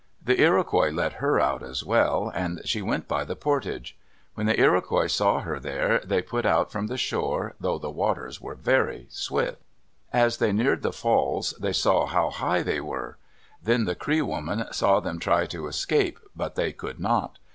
The Iroquois let her out, as well, and she went by the portage. When the Iroquois saw her there, they put out from shore, though the waters were very swift. As they neared the falls, they saw how high they were. Then the Cree woman saw them try to escape, but they could not.